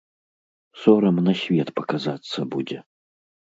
Сорам на свет паказацца будзе!